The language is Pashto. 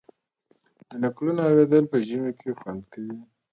د نکلونو اوریدل په ژمي کې خوند کوي.